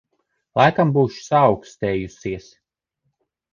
Laikam būšu saaukstējusies.